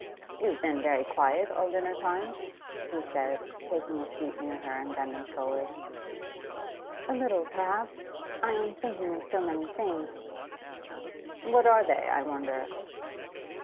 'You've been very quiet all dinner time,' he said, taking a seat near her and bending forward. 'A little, perhaps. I am thinking of so many things.' 'What are they, I wonder?